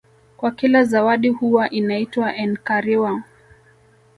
Kwa kila zawadi huwa inaitwa enkariwa